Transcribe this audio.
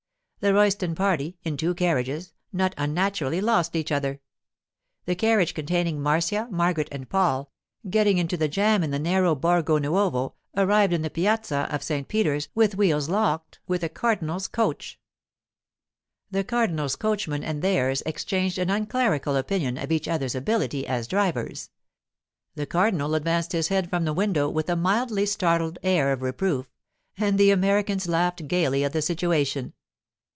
The Royston party, in two carriages, not unnaturally lost each other. The carriage containing Marcia, Margaret, and Paul, getting into the jam in the narrow Borgo Nuovo, arrived in the piazza of St. Peter's with wheels locked with a cardinal's coach. The cardinal's coachman and theirs exchanged an unclerical opinion of each other's ability as drivers. The cardinal advanced his head from the window with a mildly startled air of reproof, and the Americans laughed gaily at the situation.